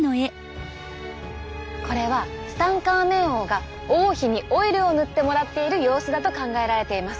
これはツタンカーメン王が王妃にオイルを塗ってもらっている様子だと考えられています。